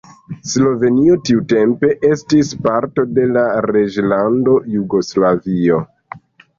Slovenio tiutempe estis parto de la Reĝlando Jugoslavio.